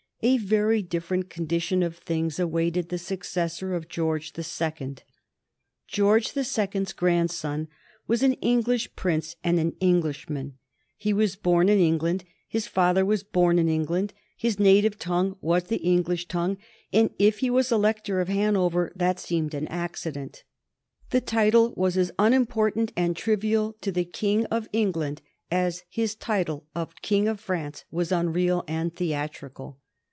A very different condition of things awaited the successor of George the Second. George the Second's grandson was an English prince and an Englishman. He was born in England; his father was born in England; his native tongue was the English tongue; and if he was Elector of Hanover, that seemed an accident. The title was as unimportant and trivial to the King of England as his title of King of France was unreal and theatrical.